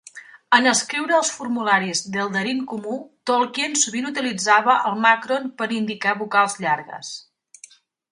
En escriure els formularis d'eldarin comú, Tolkien sovint utilitzava el màcron per indicar vocals llargues.